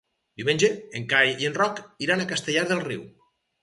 Diumenge en Cai i en Roc iran a Castellar del Riu.